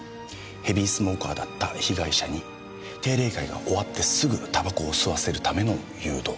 ヘビースモーカーだった被害者に定例会が終わってすぐ煙草を吸わせるための誘導。